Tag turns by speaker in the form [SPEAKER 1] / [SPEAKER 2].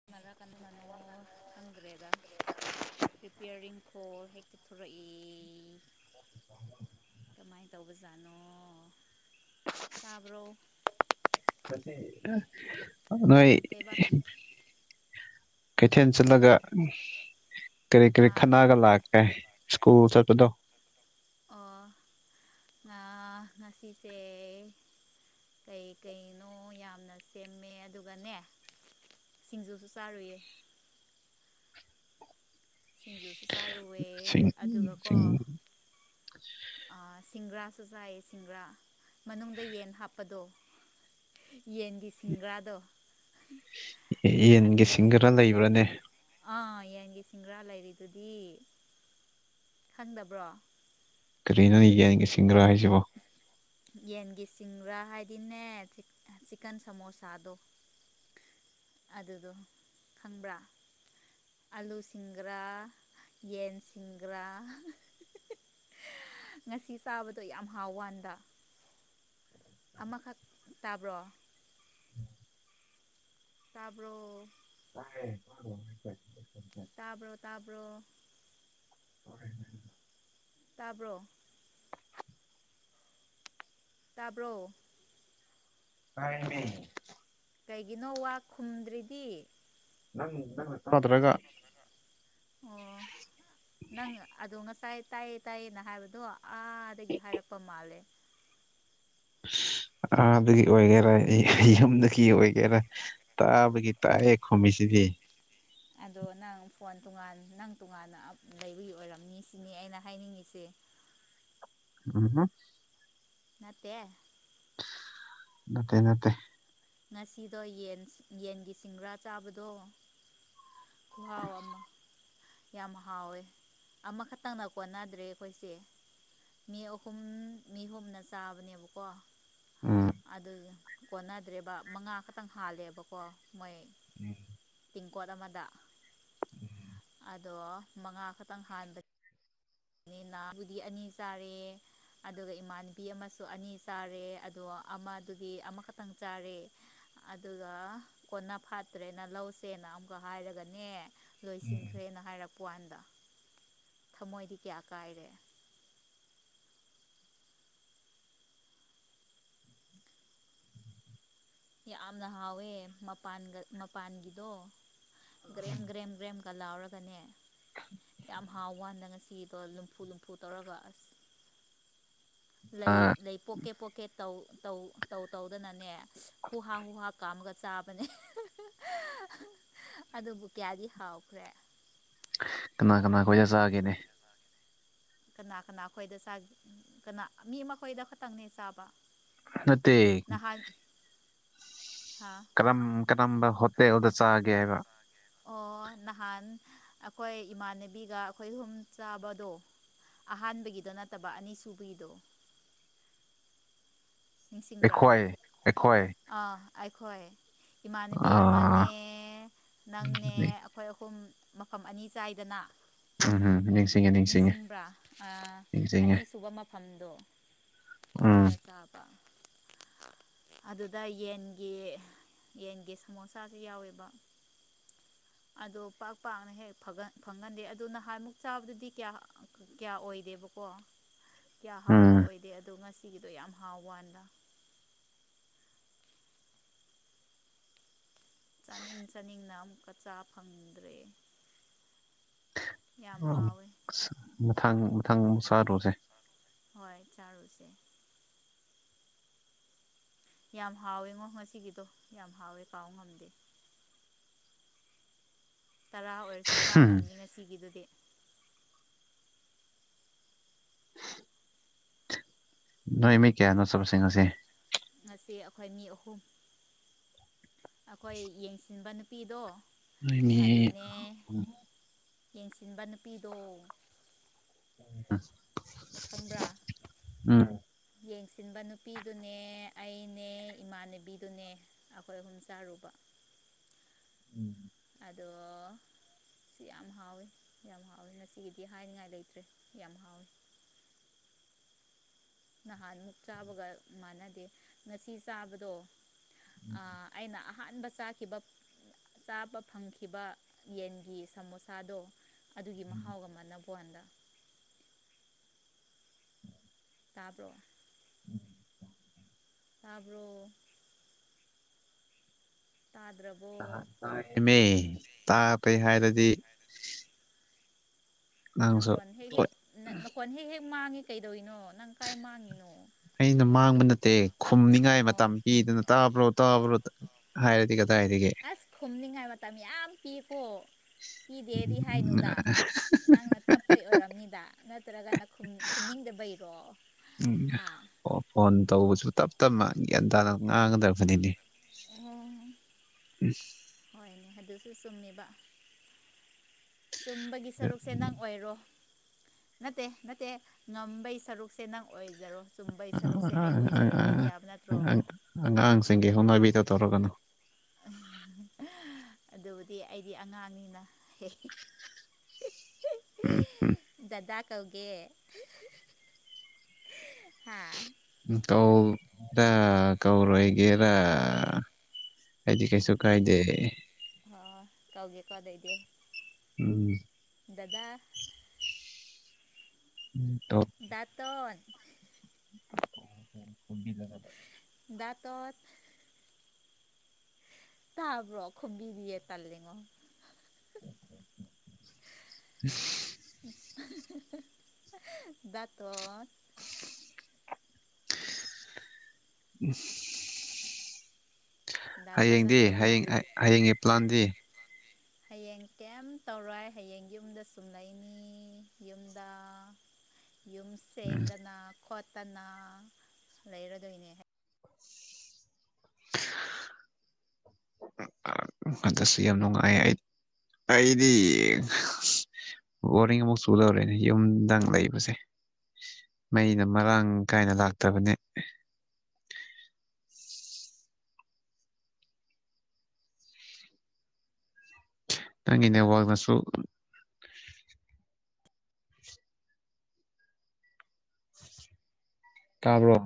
[SPEAKER 1] ꯑꯗꯨ ꯃꯂ ꯀꯩꯅꯣ ꯅꯅꯨ ꯈꯪꯗ꯭ꯔꯦꯗ ꯄꯔꯤꯄꯌꯔꯤꯡꯈ ꯍꯦꯛꯊꯔꯛ ꯏ ꯀꯃꯥꯏꯅ ꯇꯧꯕꯖꯥꯠꯅꯣ ꯇꯥꯕ꯭ꯔꯣ
[SPEAKER 2] ꯅꯣꯏ
[SPEAKER 1] ꯀꯩꯕꯥ
[SPEAKER 2] ꯀꯩꯊꯦꯜ ꯆꯠꯂꯒ ꯀꯔꯤ ꯀꯔꯤ
[SPEAKER 1] ꯑꯥ
[SPEAKER 2] ꯈꯅꯥꯒ ꯂꯥꯛꯀꯦ ꯁ꯭ꯀꯨꯜ ꯆꯠꯠꯇꯗꯣ
[SPEAKER 1] ꯑꯣ ꯉ ꯉꯁꯤꯁ ꯀꯩꯀꯩꯅꯣ ꯌꯥꯝꯅ ꯁꯦꯝꯃꯦ ꯑꯗꯨꯒꯅꯦ ꯁꯤꯡꯖꯨꯁꯨ ꯆꯥꯔꯨꯏꯌꯦ ꯍꯁꯤꯡꯖ
[SPEAKER 2] ꯎꯁꯤꯡ
[SPEAKER 1] ꯁꯤꯡꯒꯔꯥꯁꯨ ꯆꯥꯏꯌꯦ ꯁꯤꯡꯒ꯭ꯔꯥ ꯃꯅꯨꯡꯗ ꯌꯦꯟ ꯍꯥꯞꯄꯗꯣ ꯌꯦꯟꯒꯤ ꯁꯤꯡꯒꯔꯥꯗ
[SPEAKER 2] ꯌꯦꯟꯒꯤꯁꯤꯡ ꯈꯔ ꯂꯩꯕ꯭ꯔꯅꯦ
[SPEAKER 1] ꯃꯌꯦꯟꯒꯤ ꯁꯤꯡꯒ꯭ꯔꯥ ꯂꯩꯔꯤꯗꯨꯗꯤ ꯈꯪꯗꯕ꯭ꯔꯣ
[SPEAKER 2] ꯀꯔꯤꯅꯣꯅꯦ ꯌꯥꯅꯤꯡꯉꯦ ꯁꯤꯡꯒ꯭ꯔꯥ ꯍꯥꯏꯁꯤꯕꯣ
[SPEAKER 1] ꯌꯦꯟꯒꯤ ꯁꯤꯡꯒ꯭ꯔꯥ ꯍꯥꯏꯕꯗꯤꯅꯦ ꯆꯤꯛꯀꯟ ꯁꯃꯣꯁꯥꯗꯣ ꯑꯗꯨꯗꯣ ꯈꯪꯕ꯭ꯔꯥ ꯑꯂꯨ ꯁꯤꯡꯒꯥꯔ ꯌꯦꯟ ꯁꯤꯡꯒꯔ ꯉꯁꯤ ꯆꯥꯕꯗꯣ ꯌꯥꯝ ꯍꯥꯎ ꯋꯥꯟꯗ ꯑꯃꯈꯛ ꯇꯥꯕ꯭ꯔꯣ ꯇꯥꯔꯕꯣ
[SPEAKER 2] ꯀꯥꯏꯥꯏ
[SPEAKER 1] ꯇꯥꯕ꯭ꯔꯣ ꯇꯥꯕ꯭ꯔꯣ ꯇꯥꯕ꯭ꯔꯣ ꯇꯥꯕ꯭ꯔꯣ
[SPEAKER 2] ꯇꯥꯏꯃꯤ
[SPEAKER 1] ꯀꯩꯒꯤꯅꯣ ꯋꯥ ꯈꯨꯝꯗ꯭ꯔꯤꯗꯤ
[SPEAKER 2] ꯄꯠꯇ꯭ꯔꯒ
[SPEAKER 1] ꯑꯣ ꯅꯪ ꯑꯗꯨꯣ ꯉ ꯇꯥꯏ ꯇꯥꯏꯌꯦ ꯇꯥꯏꯌꯦꯅ ꯍꯥꯏꯕꯗꯣ ꯑꯥꯗꯒꯤ ꯍꯥꯏꯔꯛꯄ ꯃꯥꯜꯂꯦ
[SPEAKER 2] ꯑꯥꯒꯤ ꯑꯣꯏꯒꯦꯔꯥ ꯌꯨꯝꯗꯒꯤ ꯑꯣꯏꯒꯦꯔꯥ ꯇꯥꯕꯒꯤ ꯇꯥꯛꯑꯦ ꯈꯣꯃꯤꯁꯤ ꯁꯤꯗꯤ
[SPEAKER 1] ꯑꯗꯣ ꯅꯪ ꯐꯣꯟ ꯇꯣꯉꯥꯟ ꯅꯪ ꯇꯣꯉꯥꯟꯅ ꯂꯩꯕꯒꯤ ꯑꯣꯏꯔꯝꯅꯤ ꯁꯤꯅꯤ ꯑꯩꯅ ꯍꯥꯏꯅꯤꯡꯉꯤꯁꯦ
[SPEAKER 2] ꯎꯝ
[SPEAKER 1] ꯅꯠꯇꯦ
[SPEAKER 2] ꯅꯠꯇꯦ ꯅꯠꯇꯦ
[SPEAKER 1] ꯉꯁꯤꯗꯣ ꯌꯦꯟ ꯌꯦꯟꯒꯤ ꯁꯤꯡꯒ꯭ꯔꯥ ꯆꯥꯕꯗꯣ ꯈꯍꯥꯎ ꯑꯃ ꯌꯥꯝ ꯍꯥꯎꯋꯦ ꯑꯃꯈꯛꯇꯪꯅ ꯀꯣꯟꯅꯗ꯭ꯔꯦ ꯑꯩꯈꯣꯏꯁꯦ ꯃꯤ ꯑꯍꯨꯝ ꯃꯤ ꯍꯨꯝꯅ ꯆꯥꯕꯅꯦꯕꯀꯣ
[SPEAKER 2] ꯎꯝ
[SPEAKER 1] ꯑꯗꯨ ꯀꯣꯟꯅꯗ꯭ꯔꯦꯕ ꯃꯉꯥ ꯈꯛꯇꯪ ꯍꯥꯜꯂꯦꯕꯀꯣ ꯃꯣꯏ
[SPEAKER 2] ꯎꯝ
[SPEAKER 1] ꯄꯤꯡꯀꯣꯠ ꯑꯃꯗ ꯑꯗꯣ ꯃꯉꯥ ꯈꯛꯇꯪ ꯍꯥꯟꯕꯅꯦ ꯅꯤꯕꯨꯗꯤ ꯑꯅꯤ ꯆꯥꯔꯦ ꯑꯗꯨꯒ ꯏꯃꯥꯟꯅꯕꯤ ꯑꯃꯁꯨ ꯑꯅꯤ ꯆꯥꯔꯦ ꯑꯗꯣ ꯑꯃꯗꯨꯒꯤ ꯑꯃꯈꯛꯇꯪ ꯆꯥꯔꯦ ꯑꯗꯨꯒ ꯀꯣꯟꯅ ꯐꯥꯠꯇ꯭ꯔꯦꯅ ꯂꯧꯁꯦꯅ ꯑꯃꯨꯛꯀ ꯍꯥꯏꯔꯒꯅꯦ ꯂꯣꯏꯁꯤꯟꯈ꯭ꯔꯦꯅ ꯍꯥꯏꯔꯛꯄ ꯀꯥꯟꯗ ꯊꯃꯣꯏꯗꯤ ꯀꯌꯥ ꯀꯥꯏꯔꯦ ꯌꯥꯝꯅ ꯍꯥꯎꯋꯦ ꯃꯄ ꯃꯄꯥꯟꯒꯤꯗꯣ ꯒ꯭ꯔꯦꯝ ꯒ꯭ꯔꯦꯝ ꯒ꯭ꯔꯦꯝ ꯀ ꯂꯥꯎꯔꯒꯅꯦ ꯌꯥꯝ ꯍꯥꯎ ꯋꯥꯅ ꯉꯁꯤꯗꯣ ꯂꯨꯝꯐꯨ ꯂꯨꯝꯐꯨ ꯇꯧꯔꯒ ꯑꯁ ꯂꯩ ꯂꯩ ꯄꯣꯛꯀꯦꯠ ꯄꯣꯛꯀꯦꯠ ꯇꯧ ꯇꯧꯗꯅꯅꯦ ꯍꯨꯍꯥ ꯍꯨꯍꯥ ꯀꯥꯝꯃꯒ ꯆꯥꯕꯅꯦ ꯑꯗꯨꯕꯨ ꯀꯌꯥꯗꯤ ꯍꯥꯎꯈ꯭ꯔꯦ
[SPEAKER 2] ꯀꯅꯥ ꯀꯅꯥ ꯈꯣꯏꯖ ꯆꯥꯒꯦꯅꯦ
[SPEAKER 1] ꯀꯅꯥ ꯀꯅꯥ ꯑꯩꯈꯣꯏꯗ ꯆ ꯀꯅꯥ ꯃꯤ ꯑꯃ ꯑꯩꯈꯣꯏꯗ ꯈꯛꯇꯪꯅꯦ ꯆꯥꯕ
[SPEAKER 2] ꯅꯠꯇ
[SPEAKER 1] ꯅꯍꯥꯟ ꯍꯥ
[SPEAKER 2] ꯀꯔꯝ ꯀꯔꯝꯕ ꯍꯣꯇꯦꯜꯗ ꯆꯥꯒꯦ ꯍꯥꯏꯕ
[SPEAKER 1] ꯑꯣ ꯅꯍꯥꯟ ꯑꯩꯈꯣꯏ ꯏꯃꯥꯟꯅꯕꯤꯒ ꯑꯩꯈꯣꯏ ꯍꯨꯝ ꯆꯥꯕꯗꯣ ꯑꯍꯥꯟꯕꯒꯤꯗꯣ ꯅꯠꯇꯕ ꯑꯅꯤ ꯁꯨꯕꯒꯤꯗꯣ
[SPEAKER 2] [inaudible]
[SPEAKER 1] ꯅꯤꯡꯁꯤꯡꯕ꯭ꯔꯥ
[SPEAKER 2] ꯑꯩꯈꯣꯏ ꯑꯩꯈꯣꯏ
[SPEAKER 1] ꯑꯥ ꯑꯩꯈꯣꯏ ꯏꯃꯥꯟꯅꯕꯤ
[SPEAKER 2] ꯑꯥ
[SPEAKER 1] ꯑꯃꯅꯦ ꯅꯪꯅꯦ
[SPEAKER 2] ꯎꯝ
[SPEAKER 1] ꯑꯩꯈꯣꯏ ꯑꯍꯨꯝ ꯃꯐꯝ ꯑꯅꯤ ꯆꯥꯏꯗꯅ
[SPEAKER 2] ꯎꯝ ꯅꯤꯡꯁꯤꯡꯉꯦ ꯅꯤꯡꯁꯤꯡꯉꯦ
[SPEAKER 1] ꯅꯤꯡꯁꯤꯡꯕ꯭ꯔꯥ
[SPEAKER 2] ꯅꯤꯡꯁꯤꯡꯉꯦ
[SPEAKER 1] ꯑꯅꯤꯁꯨꯕ ꯃꯐꯝꯗꯣ
[SPEAKER 2] ꯎꯝ
[SPEAKER 1] ꯑꯗꯨꯗ ꯆꯥꯕ
[SPEAKER 2] [inaudible]
[SPEAKER 1] ꯑꯗꯨꯗ ꯌꯦꯟꯒꯤ ꯌꯦꯟꯒꯤ ꯁꯃꯣꯁꯥꯁꯨ ꯌꯥꯎꯋꯦꯕ ꯑꯗꯣ ꯄꯥꯛ ꯄꯥꯛꯅ ꯍꯦꯛ ꯐꯪꯒꯟꯗꯦ ꯑꯗꯨ ꯅꯍꯥꯟꯃꯨꯛ ꯆꯥꯕꯗꯗꯤ ꯀꯌꯥ ꯀꯌꯥ ꯑꯣꯏꯗꯦ ꯗꯦꯕ ꯀꯧꯕꯣ
[SPEAKER 2] [inaudible]
[SPEAKER 1] ꯀꯌꯥ ꯍꯥꯎꯕ
[SPEAKER 2] ꯎꯝ
[SPEAKER 1] ꯑꯣꯏꯗꯦ ꯑꯗꯣ ꯉꯁꯤꯒꯤꯗꯣ ꯌꯥꯝ ꯍꯥꯎ ꯋꯥꯂ ꯆꯥꯅꯤꯡ ꯆꯥꯅꯤꯡꯅ ꯑꯃꯨꯛꯀ ꯆꯥ ꯐꯪꯗ꯭ꯔꯦ ꯌꯥꯝ ꯍꯥꯎꯋꯦ
[SPEAKER 2] ꯃꯊꯪ ꯃꯊꯪ ꯑꯃꯨꯛ ꯆꯥꯔꯨꯔꯁꯦ
[SPEAKER 1] ꯍꯣꯏ ꯆꯥꯔꯨꯁꯦ ꯌꯥꯝ ꯍꯥꯎꯋꯦꯉꯣ ꯉꯁꯤꯒꯤꯗꯣ ꯌꯥꯝ ꯍꯥꯎꯋꯦ ꯀꯥꯎ ꯉꯝꯗꯦ ꯇꯔꯥ ꯑꯣꯏꯔꯁꯨ ꯆꯥ ꯉꯝꯅꯤ ꯉꯁꯤꯒꯤꯗꯨꯗꯤ
[SPEAKER 2] [unintelligible] [inaudible] ꯅꯣꯏ ꯃꯤ ꯀꯌꯥꯅꯣ ꯆꯠꯄꯁꯤꯡꯁꯦ
[SPEAKER 1] ꯉꯁꯤ ꯑꯩꯈꯣꯏ ꯃꯤ ꯑꯍꯨꯝ ꯑꯩꯈꯣꯏ ꯌꯦꯡꯁꯤꯟꯕ ꯅꯨꯄꯤꯗꯣ
[SPEAKER 2] ꯑꯩ
[SPEAKER 1] ꯑꯗꯨꯅꯦ ꯌꯦꯡꯁꯤꯟꯕ ꯅꯨꯄꯤꯗꯣ
[SPEAKER 2] [unintelligible] [inaudible]
[SPEAKER 1] ꯈꯪꯕ꯭ꯔꯥ
[SPEAKER 2] ꯎꯝ
[SPEAKER 1] ꯌꯦꯡꯁꯤ ꯆꯤꯟꯕ ꯅꯨꯄꯤꯗꯨꯅꯦ ꯑꯩꯅꯦ ꯏꯃꯥꯟꯅꯕꯤꯗꯨꯅꯦ ꯑꯩꯈꯣꯏ ꯑꯍꯨꯝ ꯆꯥꯔꯨꯕ
[SPEAKER 2] ꯎꯝ
[SPEAKER 1] ꯑꯗꯣ ꯁꯤ ꯌꯥꯝ ꯍꯥꯎꯋꯤ ꯌꯥꯝ ꯍꯥꯎꯋꯤ ꯉꯁꯤꯒꯤꯗꯤ ꯍꯥꯏꯅꯤꯉꯥꯏ ꯂꯩꯇ꯭ꯔꯦ ꯌꯥꯝ ꯍꯥꯎꯋꯤ
[SPEAKER 2] [unintelligible] [inaudible]
[SPEAKER 1] ꯅꯍꯥꯟ ꯃꯨꯛ ꯆꯥꯕꯒ ꯃꯥꯟꯅꯗꯦ ꯉꯁꯤ ꯆꯥꯕꯗꯣ ꯑꯩꯅ ꯑꯍꯥꯟꯕ ꯆꯥꯈꯤꯕ ꯆꯥꯕ ꯐꯪꯈꯤꯕ ꯌꯦꯟꯒꯤ ꯁꯃꯣꯁꯥꯗꯣ ꯑꯗꯨꯒꯤ ꯃꯍꯥꯎꯒ ꯃꯥꯟꯕꯣꯟꯗ ꯇꯥꯔꯕꯣ ꯇꯥꯔꯕꯣ
[SPEAKER 2] ꯇꯥꯃꯦ ꯇꯥꯄꯩ ꯍꯥꯏꯔꯗꯤ ꯅꯪꯁꯨ
[SPEAKER 1] ꯅꯀꯣꯟ ꯍꯦꯛ ꯍꯦꯛ ꯅꯀꯣꯟ ꯍꯦꯛ ꯍꯦꯛ ꯃꯥꯡꯉꯤ ꯀꯩꯗꯧꯔꯤꯅꯣ ꯅꯪ ꯀꯥꯏ ꯃꯥꯡꯉꯤꯅꯣ
[SPEAKER 2] ꯑꯦ ꯈꯨꯝꯅꯤꯡꯉꯥꯏ ꯃꯇꯝ
[SPEAKER 1] ꯑꯣ
[SPEAKER 2] ꯄꯤꯗꯅ ꯇꯥꯕ꯭ꯔꯣ ꯇꯥꯕ꯭ꯔꯣ ꯍꯥꯏꯔꯗꯤ ꯀꯗꯥꯏꯗꯒꯤ
[SPEAKER 1] ꯑꯁ ꯈꯨꯝꯅꯤꯡꯉꯥꯏ ꯃꯇꯝꯃꯤ ꯌꯥꯝ ꯄꯤꯌꯦꯀꯣ
[SPEAKER 2] [unintelligible] [inaudible]
[SPEAKER 1] ꯅꯪꯅ ꯇꯞꯄꯩ ꯑꯣꯏꯔꯝꯅꯤꯗ ꯅꯠꯇ꯭ꯔꯒꯅ ꯈꯨꯝꯅꯤꯡꯗꯕꯩꯔꯣ
[SPEAKER 2] ꯎꯝ
[SPEAKER 1] ꯍꯥ
[SPEAKER 2] ꯑꯣ ꯐꯣꯟ ꯇꯧꯕꯁꯨ ꯇꯞ ꯇꯞꯅ ꯒ꯭ꯌꯥꯟ ꯇꯥꯅ ꯉꯥꯡꯒꯗꯕꯅꯤꯅꯦ
[SPEAKER 1] ꯑꯣ
[SPEAKER 2] ꯎꯝ
[SPEAKER 1] ꯁꯨ ꯆꯨꯝꯃꯤꯕ ꯆꯨꯝꯕꯒꯤ ꯁꯔꯨꯛꯁꯦ ꯅꯪ ꯑꯣꯏꯔꯣ ꯅꯠꯇꯦ ꯅꯠꯇꯦ ꯉꯝꯕꯩ ꯁꯔꯨꯛꯁꯦ ꯅꯪ ꯑꯣꯏ ꯌꯥꯕ ꯅꯠꯇ꯭ꯔꯣ
[SPEAKER 2] ꯑꯉꯥꯡꯁꯤꯡꯒꯤꯦ ꯍꯅꯕꯤ ꯇꯧꯔꯒꯅꯣ
[SPEAKER 1] ꯑꯗꯨꯕꯨꯗꯤ ꯑꯩꯗꯤ ꯑꯉꯥꯡꯅꯤꯅ ꯍ ꯗꯗꯥꯛ ꯇꯧꯒꯦ ꯍꯥ
[SPEAKER 2] ꯀꯧꯗ ꯀꯧꯔꯣꯏꯒꯦꯔꯥ ꯑꯩꯗꯤ ꯀꯩꯁꯨ ꯀꯥꯏꯗꯦ
[SPEAKER 1] ꯇꯧꯒꯦꯀꯣ ꯑꯗꯩꯗꯤ
[SPEAKER 2] ꯎꯝ
[SPEAKER 1] ꯗꯗꯥ
[SPEAKER 2] ꯇꯧ
[SPEAKER 1] ꯗꯇꯣꯟ
[SPEAKER 2] ꯐꯕꯤꯒꯥ
[SPEAKER 1] ꯗꯇ ꯇꯕꯣ ꯈꯕꯤꯕꯤ ꯌꯦ ꯇ ꯂꯉꯣ
[SPEAKER 2] ꯍ
[SPEAKER 1] ꯇꯣꯟ
[SPEAKER 2] ꯎꯝ
[SPEAKER 1] ꯗꯥꯇꯣꯟ
[SPEAKER 2] ꯍꯌꯦꯡꯗꯤ
[SPEAKER 1] ꯅꯠꯇ꯭ꯔꯕꯣ
[SPEAKER 2] ꯍꯌꯦꯡ ꯍꯌꯦꯡꯒꯤ ꯄ꯭ꯂꯥꯟꯗꯤ
[SPEAKER 1] ꯍꯌꯦꯡ ꯀꯩꯝ ꯇꯧꯔꯣꯏ ꯍꯌꯦꯡ ꯌꯨꯝꯗ ꯁꯨꯝꯂꯩꯅꯤ ꯌꯨꯝꯗ ꯌꯨꯝ
[SPEAKER 2] ꯎꯝ
[SPEAKER 1] ꯁꯦꯡꯗꯅ ꯈꯣꯠꯇꯅ ꯂꯩꯔꯗꯣꯏꯅꯦ
[SPEAKER 2] [inaudible] ꯍꯟꯗꯁꯨ ꯌꯥꯝ ꯅꯨꯡꯉꯥꯏ ꯑꯩ ꯑꯩꯗꯤ ꯕꯣꯔꯤꯡ ꯑꯃꯨꯛ ꯆꯨꯗꯔꯦꯅꯦ ꯌꯨꯝꯗꯪ ꯂꯩꯕꯁꯦ ꯃꯩꯅ ꯃꯔꯥꯡ ꯀꯥꯏꯅ ꯂꯥꯛꯇꯕꯅꯦ ꯅꯪꯒꯤꯅꯦ ꯋꯥꯥꯛꯅꯁꯨ ꯇꯥꯕ꯭ꯔꯣ